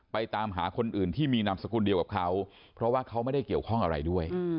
ตามหาคนอื่นที่มีนามสกุลเดียวกับเขาเพราะว่าเขาไม่ได้เกี่ยวข้องอะไรด้วย